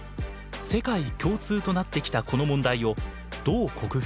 世界共通となってきたこの問題をどう克服するか。